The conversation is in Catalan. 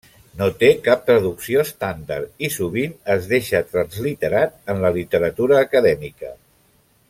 No té cap traducció estàndard, i sovint es deixa transliterat en la literatura acadèmica.